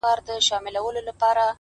خپل نصیب وي غلامۍ لره روزلي -